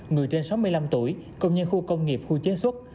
người trên sáu mươi năm tuổi công nhân khu công nghiệp khu chế xuất